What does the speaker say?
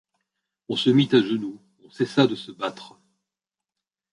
On se mit à genoux, on cessa de se battre